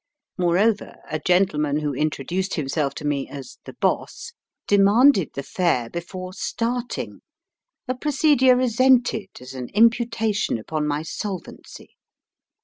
Moreover, a gentleman, who introduced himself to me as ^* the Boss," demanded the fare before starting, a procedure resented as an imputation upon my solvency.